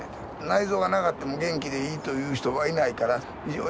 内臓がなかっても元気でいいという人はいないからって。